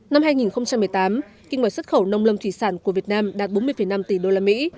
năm hai nghìn một mươi tám kinh ngoại xuất khẩu nông lông thủy sản của việt nam đạt bốn mươi năm tỷ usd